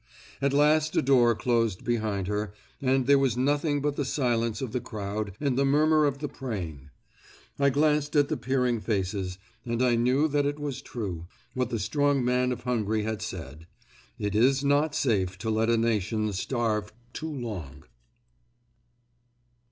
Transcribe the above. At last a door closed behind her and there was nothing but the silence of the crowd and the murmur of the praying. I glanced at the peering faces, and I knew that it was true, what the strong man of Hungary had said. It is not safe to let a nation starve too long.